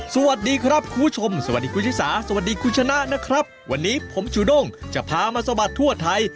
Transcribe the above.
สบัดทั่วไทย